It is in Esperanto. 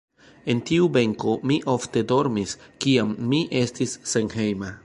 En tiu benko mi ofte dormis kiam mi estis senhejma.